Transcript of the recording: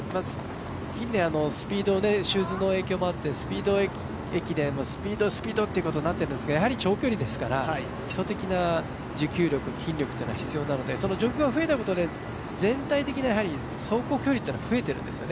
近年、シューズの影響もあってスピード駅伝、スピード、スピードということになっていますが、やはり長距離ですから基礎的な持久力、筋力というのは必要なので状況が増えたことで全体的な走行距離が増えているんです。